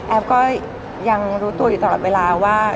ก็ยังรู้ตัวอยู่ตลอดเวลาว่า